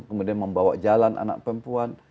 kemudian membawa jalan anak perempuan